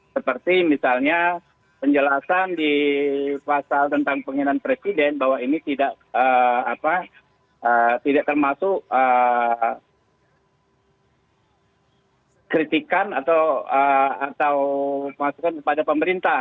seperti misalnya penjelasan di pasal tentang penghinaan presiden bahwa ini tidak termasuk kritikan atau masukan kepada pemerintah